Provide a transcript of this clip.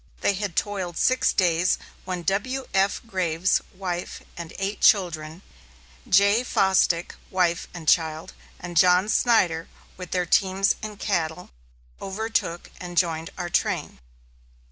They had toiled six days, when W.F. Graves, wife, and eight children; J. Fosdick, wife, and child, and John Snyder, with their teams and cattle, overtook and joined our train.